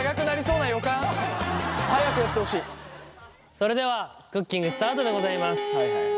それではクッキングスタートでございます。